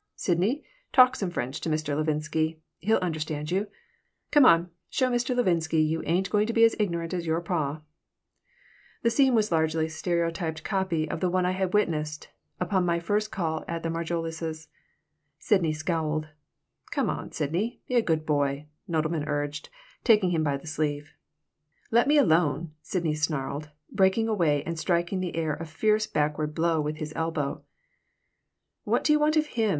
Sidney, talk some French to Mr. Levinsky. He'll understand you. Come on, show Mr. Levinsky you ain't going to be as ignorant as your pa." The scene was largely a stereotyped copy of the one I had witnessed upon my first call at the Margolises' Sidney scowled "Come on, Sidney, be a good boy," Nodelman urged, taking him by the sleeve "Let me alone," Sidney snarled, breaking away and striking the air a fierce backward blow with his elbow "What do you want of him?"